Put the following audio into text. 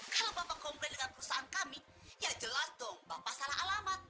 kalau bapak komplain dengan perusahaan kami ya jelas dong bapak salah alamat